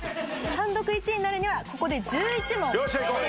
単独１位になるにはここで１１問。